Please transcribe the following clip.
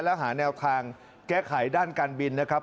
และหาแนวทางแก้ไขด้านการบินนะครับ